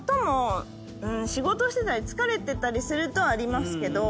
仕事してたり疲れてたりするとありますけど。